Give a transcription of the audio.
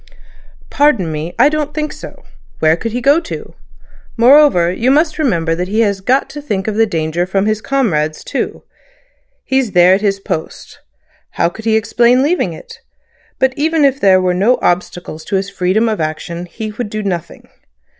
"Pardon me. I don't think so. Where could he go to? Moreover, you must remember that he has got to think of the danger from his comrades too. He's there at his post. How could he explain leaving it? But even if there were no obstacles to his freedom of action he would do nothing.